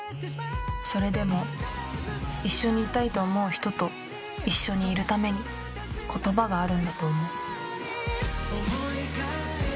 それでも一緒にいたいと思う人と一緒にいるために言葉があるんだと思う。